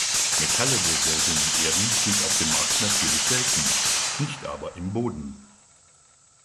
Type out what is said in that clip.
Metalle der seltenen Erden sind auf dem Markt natürlich selten, nicht aber im Boden.